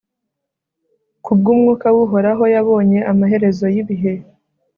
ku bw'umwuka w'uhoraho yabonye amaherezo y'ibihe